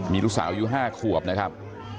มีลูกสาวอายุ๕ขวบนะครับ